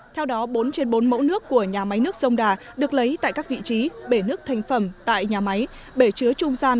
theo đó bốn trên bốn mẫu nước của nhà máy nước sông đà được lấy tại các vị trí bể nước thành phẩm tại nhà máy bể chứa trung gian